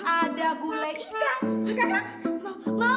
ada gulai ikan suka kan